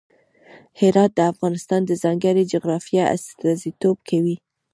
هرات د افغانستان د ځانګړي جغرافیه استازیتوب کوي.